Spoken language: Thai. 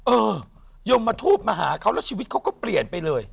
เออยมทูปมาหาเขาแล้วชีวิตเขาก็เปลี่ยนไปเลย